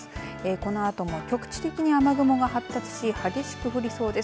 このあとも局地的に雨雲が発達し激しく降りそうです。